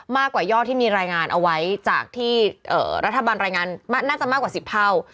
มากกว่ายอดที่มีรายงานเอาไว้จากที่รัฐบาลรายงานน่าจะมากกว่า๑๐เท่า